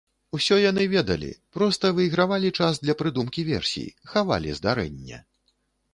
Усё яны ведалі, проста выйгравалі час для прыдумкі версій, хавалі здарэнне.